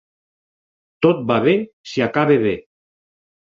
Tot va bé si acaba bé